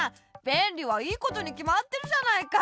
べんりはいいことにきまってるじゃないか。